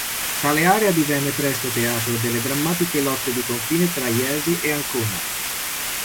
Tale area divenne presto teatro delle drammatiche lotte di confine tra Jesi e Ancona.